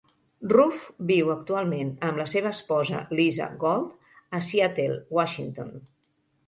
Ruff viu actualment amb la seva esposa, Lisa Gold, a Seattle, Washington.